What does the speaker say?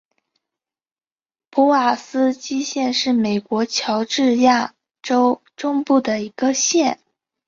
普瓦斯基县是美国乔治亚州中部的一个县。